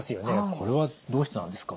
これはどうしてなんですか？